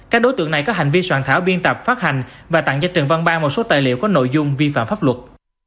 các đối tượng này có hành vi soạn thảo biên tập phát hành và tặng cho trần văn ban một số tài liệu có nội dung vi phạm pháp luật